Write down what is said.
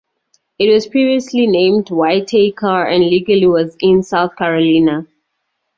It was previously named Whitaker and legally was in South Carolina.